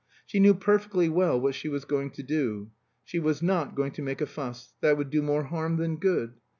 She knew perfectly well what she was going to do. She was not going to make a fuss; that would do more harm than good.